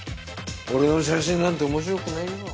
俺の写真なんて面白くないよ。